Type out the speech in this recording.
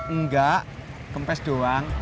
enggak kempes doang